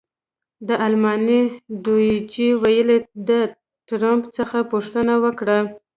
د المان ډویچې وېلې د ټرمپ څخه پوښتنه وکړه.